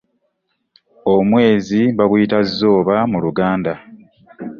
Omwezi baguyita zzooba mu luganda.